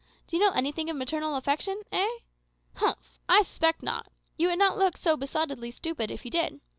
Do you know anything of maternal affection, eh? Humph! I suspect not. You would not look so besottedly stupid if you did.